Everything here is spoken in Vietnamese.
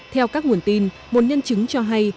theo các nguồn tin một nhân chứng cho hay